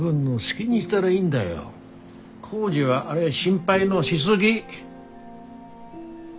耕治はあれは心配のしすぎ。